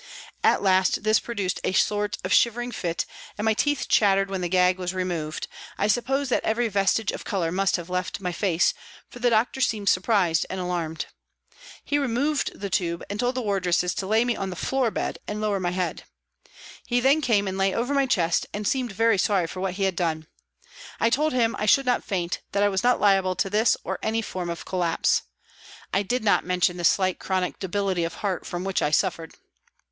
At last this produced a sort of shivering fit and my teeth chattered when the gag was removed ; I suppose that every vestige of colour must have left my face, for the doctor seemed surprised and alarmed. He removed the tube and told the wardresses to lay me on the floor bed and lower WALTON GAOL, LIVERPOOL 275 my head. He then came and lay over my chest and seemed very sorry for what he had done. I told him I should not faint, that I was not liable to this or any form of collapse ; I did not mention the slight chronic debility of heart from which I suffered.